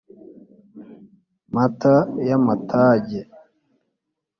Mata y’amatage..